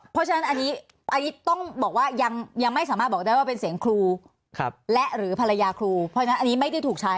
เพราะฉะนั้นอันนี้ต้องบอกว่ายังไม่สามารถบอกได้ว่าเป็นเสียงครูและหรือภรรยาครูเพราะฉะนั้นอันนี้ไม่ได้ถูกใช้